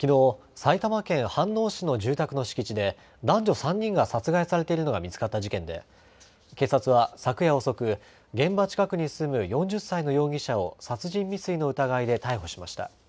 埼玉県飯能市の住宅の敷地で男女３人が殺害されているのが見つかった事件で警察は昨夜遅く、現場近くに住む４０歳の容疑者を殺人未遂の疑いで逮捕しました。